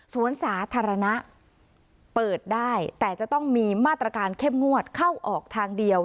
สวนสาธารณะเปิดได้แต่จะต้องมีมาตรการเข้มงวดเข้าออกทางเดียว